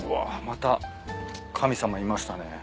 また神様いましたね。